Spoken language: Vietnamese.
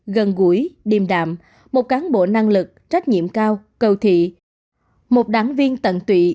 gần gũi điềm đạm một cán bộ năng lực trách nhiệm cao cầu thị một đảng viên tận tụy